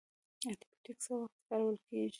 انټي بیوټیک څه وخت کارول کیږي؟